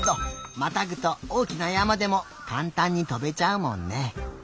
またぐとおおきなやまでもかんたんにとべちゃうもんね。